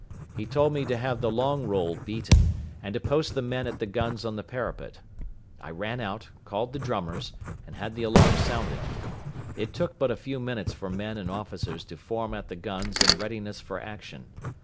He told me to have the long roll beaten, and to post the men at the guns on the parapet. I ran out, called the drummers, and had the alarm sounded. It took but a few minutes for men and officers to form at the guns in readiness for action.